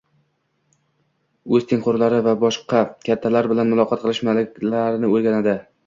O‘z tengqurlari va boshqa kattalar bilan muloqot qilish malakalarini o‘rganadi.